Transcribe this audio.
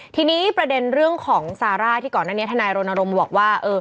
ทีนี้ประเด็นเรื่องของซาร่าที่ก่อนหน้านี้ทนายรณรงค์บอกว่า